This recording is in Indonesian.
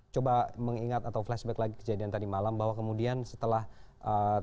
coba mengingat atau flashback lagi kejadian tadi malam bahwa kemudian setelah terjadi